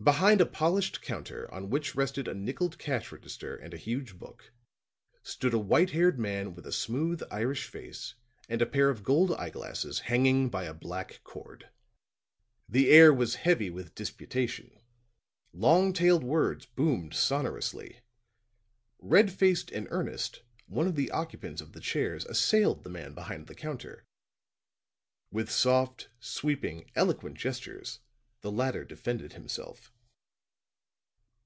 Behind a polished counter on which rested a nickeled cash register and a huge book, stood a white haired man with a smooth Irish face and a pair of gold eyeglasses hanging by a black cord. The air was heavy with disputation; long tailed words boomed sonorously; red faced and earnest, one of the occupants of the chairs assailed the man behind the counter; with soft, sweeping, eloquent gestures the latter defended himself.